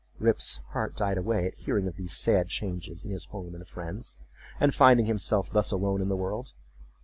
Rip's heart died away at hearing of these sad changes in his home and friends, and finding himself thus alone in the world.